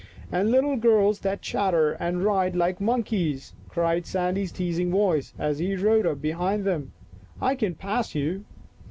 " And little girls that chatter and ride like monkeys," cried Sandy's teasing voice, as he rode up behind them. " I can pass you